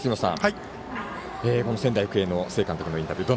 仙台育英の須江監督のインタビュー